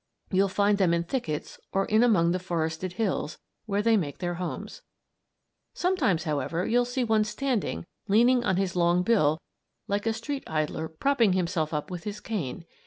You'll find them in thickets or in among the forested hills, where they make their homes. Sometimes, however, you'll see one standing, leaning on his long bill, like a street idler propping himself up with his cane.